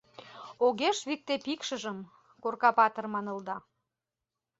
Огеш викте пикшыжым, Корка-патыр манылда